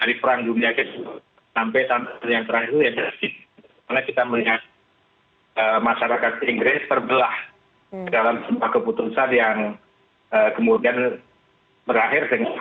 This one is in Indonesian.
dari perang jumlah sampai terakhir itu kita melihat masyarakat inggris terbelah dalam sebuah keputusan yang kemudian berakhir dengan sebuah